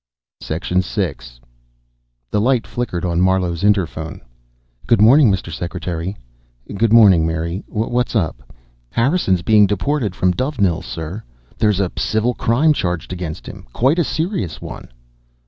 VI. The light flickered on Marlowe's interphone. "Good morning, Mr. Secretary." "Good morning, Mary. What's up?" "Harrison's being deported from Dovenil, sir. There's a civil crime charged against him. Quite a serious one."